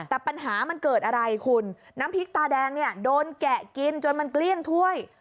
แต่ปัญหามันเกิดอะไรคุณน้ำพริกตาแดงเนี่ยโดนแกะกินจนมันเกลี้ยงถ้วย